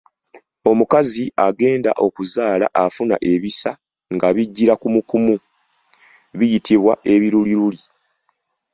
Omukazi agenda okuzaala afuna ebisa nga bijjira kumukumu biyitibwa ebiruliruli.